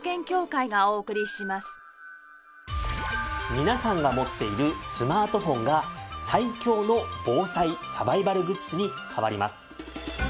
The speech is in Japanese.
皆さんが持っているスマートフォンが最強の防災サバイバルグッズに変わります。